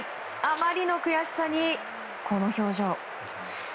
あまりの悔しさに、この表情。